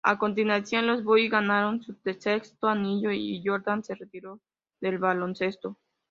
A continuación, los Bulls ganaron su sexto anillo y Jordan se retiró del baloncesto.